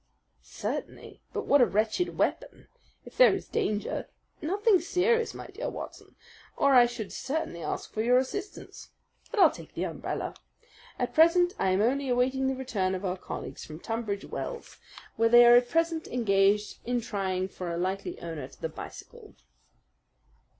"Certainly but what a wretched weapon! If there is danger " "Nothing serious, my dear Watson, or I should certainly ask for your assistance. But I'll take the umbrella. At present I am only awaiting the return of our colleagues from Tunbridge Wells, where they are at present engaged in trying for a likely owner to the bicycle."